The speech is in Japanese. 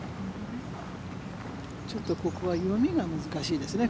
ちょっとここは読みが難しいですね。